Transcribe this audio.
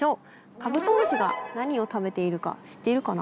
カブトムシが何を食べているか知っているかな？